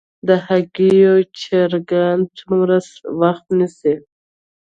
د هګیو چرګان څومره وخت نیسي؟